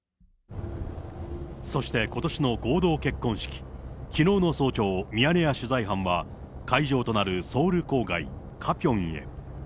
そしてことしの合同結婚式、きのうの早朝、ミヤネ屋取材班は会場となるソウル郊外、カピョンへ。